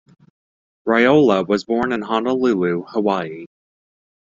Raiola was born in Honolulu, Hawaii.